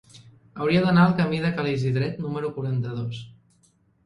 Hauria d'anar al camí de Ca l'Isidret número quaranta-dos.